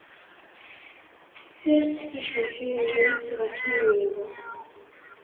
Tessers ticenfirin-is ɣef yimi-w.